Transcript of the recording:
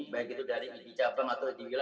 baik itu dari itj pem atau itwl